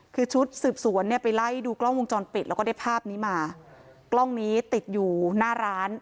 คือชุดสืบสวนเนี่ยไปไล่ดูกล้องวงจรปิดแล้วก็ได้ภาพนี้มากล้องนี้ติดอยู่หน้าร้าน